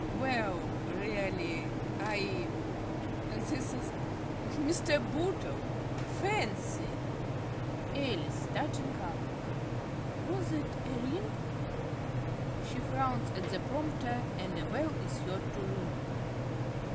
Well, really I this is Mr. Bootle! Fancy! ~Alice~ (starting up). Was that a ring? (_She frowns at the prompter and a bell is heard to ring.